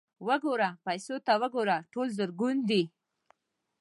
_وګوره، پيسو ته وګوره! ټول زرګون دي.